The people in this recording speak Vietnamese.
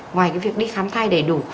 ngoài cái việc đi khám thai đầy đủ